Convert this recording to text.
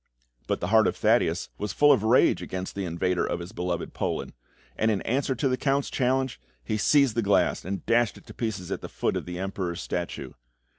But the heart of Thaddeus was full of rage against the invader of his beloved Poland, and in answer to the Count's challenge, he seized the glass and dashed it to pieces at the foot of the Emperor's statue.